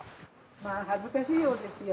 まあ恥ずかしいようですよ。